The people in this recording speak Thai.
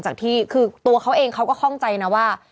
คือตัวเขาเองเขาก็คล่องใจนะว่า